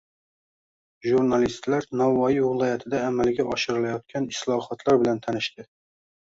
Jurnalistlar Navoiy viloyatida amalga oshirilayotgan islohotlar bilan tanishdi